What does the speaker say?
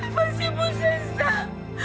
mas ibu sesak